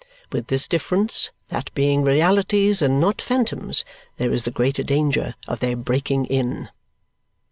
With this difference, that being realities and not phantoms, there is the greater danger of their breaking in.